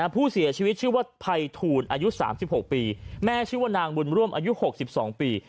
ผู้เสียชีวิตชื่อว่าไพพูนอายุสามสิบหกปีแม่ชื่อนางมร่วมอายุหกสิบสองปี